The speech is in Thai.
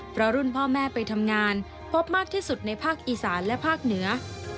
เพราะรุ่นพ่อแม่ไปทำงานพบมากที่สุดในภาคอีสานและภาคเหนือ